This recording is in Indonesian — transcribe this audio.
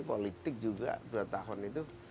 politik juga dua tahun itu